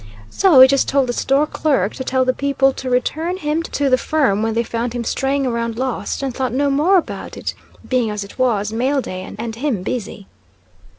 So he just told the store clerk to tell the people to return him to the firm when they found him straying around lost, and thought no more about it, being, as it was, mail day, and him busy.